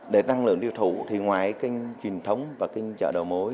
để tăng lượng tiêu thụ thì ngoài kinh truyền thống và kinh chợ đầu mối